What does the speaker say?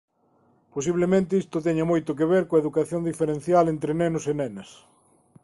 Posiblemente isto teña moito que ver coa educación diferencial entre nenos e nenas.